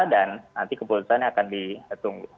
dan nanti keputusannya akan ditunggu